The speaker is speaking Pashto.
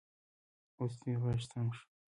اوس دې غږ سم شو